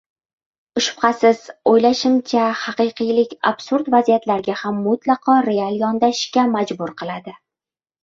Shubhasiz. O‘ylashimcha, haqiqiylik absurd vaziyatlarga ham mutlaqo real yondashishga majbur qiladi.